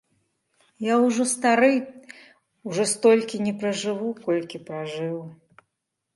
Я ўжо стары, ужо столькі не пражыву, колькі пражыў.